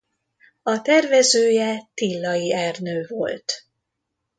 A tervezője Tillai Ernő volt.